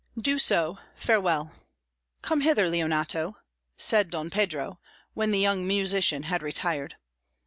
"Do so; farewell.... Come hither, Leonato," said Don Pedro, when the young musician had retired.